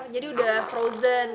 jadi udah frozen